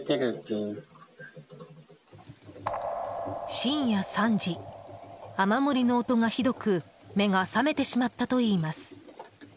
深夜３時、雨漏りの音がひどく目が覚めてしまったといいます。